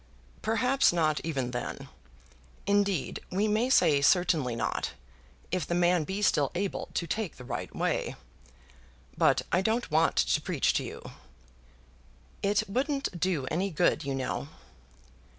"Perhaps not, even then. Indeed, we may say, certainly not, if the man be still able to take the right way. But I don't want to preach to you." "It wouldn't do any good, you know."